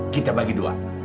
kita bagi dua